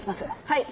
はい。